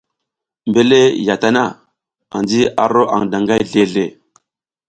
Mbela ya tana, anji a ro aƞ daƞgay zleʼzle.